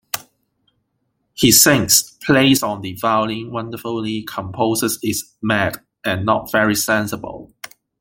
He sings, plays on the violin wonderfully, composes, is mad, and not very sensible.